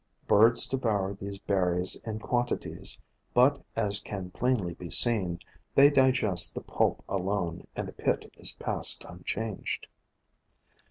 Birds devour these berries in quantities, but, as can plainly be seen, they digest the pulp alone and the pit is passed unchanged.